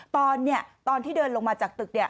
ตอนที่เดินลงมาจากตึก